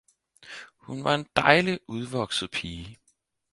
Hun var en dejlig udvokset pige.